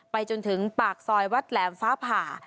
จนถึงปากซอยวัดแหลมฟ้าผ่า